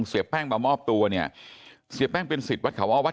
เสียแป้งมามอบตัวเนี่ยเสียแป้งเป็นสิทธิ์วัดเขาว่าวัด